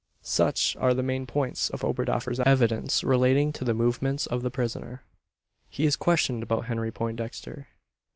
Such are the main points of Oberdoffer's evidence relating to the movements of the prisoner. He is questioned about Henry Poindexter.